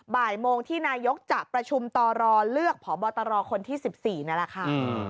บ่ายโมงที่นายกจะประชุมต่อรอเลือกผอบตรคนที่๑๔นั่นแหละค่ะ